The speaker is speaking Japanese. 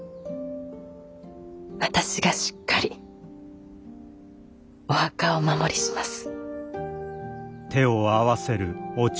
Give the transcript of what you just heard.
私がしっかりお墓をお守りします。